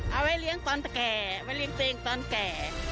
เอาไว้เลี้ยงตอนตะแก่ไว้เลี้ยงตัวเองตอนแก่